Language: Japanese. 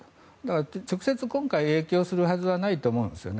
直接、今回影響するはずはないと思うんですよね。